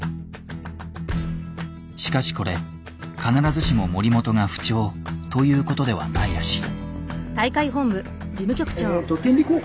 しかしこれ必ずしも森本が不調ということではないらしい。